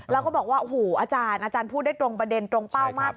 แล้วก็บอกว่าอาจารย์พูดได้ตรงประเด็นตรงเป้ามาก